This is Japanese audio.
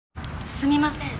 すみません